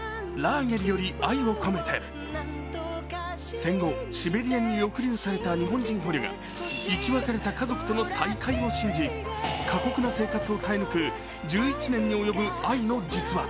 戦後、シベリアに抑留された日本人捕虜が生き別れた家族との再会を信じ過酷な生活を耐え抜く１１年に及ぶ愛の実話。